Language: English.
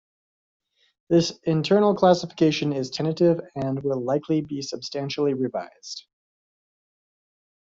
This internal classification is tentative and will likely be substantially revised.